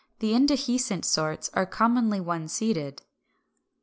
The indehiscent sorts are commonly one seeded.